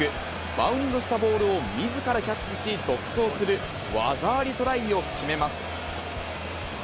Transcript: バウンドしたボールをみずからキャッチし、独走する技ありトライを決めます。